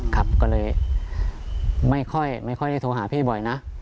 ครับก็เลยไม่ค่อยได้โทรหาพี่บ่อยนะ